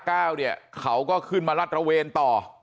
ห้าเก้าเขาก็ขึ้นมารัดระเวนต่อ